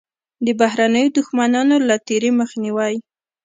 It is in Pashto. د بهرنیو دښمنانو له تېري مخنیوی.